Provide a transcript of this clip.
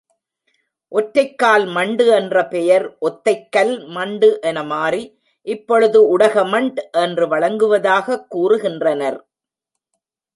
ஒற்றைக்கல் மண்டு என்ற பெயர் ஒத்தைக்கல் மண்டு என மாறி, இப்பொழுது உடகமண்ட் என்று வழங்குவதாகக் கூறுகின்றனர்.